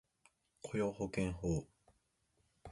雇用保険法